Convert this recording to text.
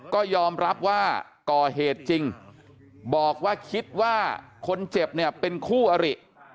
ก็ยอมรับว่าก่อเหตุจริงบอกว่าคิดว่าคนเจ็บเนี่ยเป็นคู่อริ